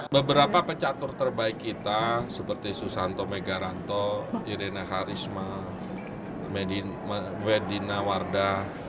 beberapa pecatur terbaik kita seperti susanto megaranto irena harisma wedina wardah